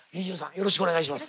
よろしくお願いします。